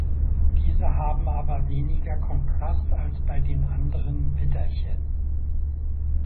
Diese haben aber weniger Kontrast als bei den anderen Widderchen.